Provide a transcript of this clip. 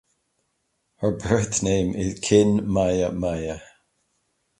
Her birth name is Khin Mya Mya.